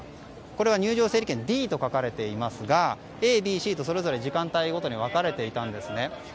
これは入場整理券Ｄと書かれていますがＡＢＣと時間帯ごとに分かれていたんですね。